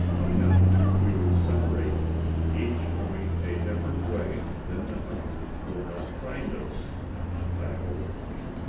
Come now, we will separate, each going a different way; then the hunter will not find us, I hope."